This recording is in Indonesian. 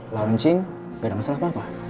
launching gak ada masalah apa apa